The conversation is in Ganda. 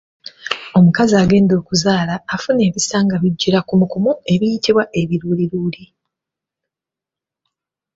Omukazi agenda okuzaala afuna ebisa nga bijjira kumukumu ebiyitibwa Ebiruliruli.